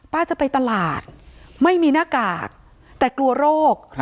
จะไปตลาดไม่มีหน้ากากแต่กลัวโรค